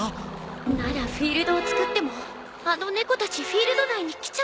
ならフィールドをつくってもあの猫たちフィールド内に来ちゃうわね。